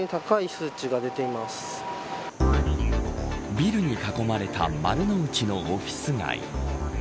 ビルに囲まれた丸の内のオフィス街。